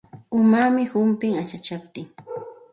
Umaami humpin achachaptin.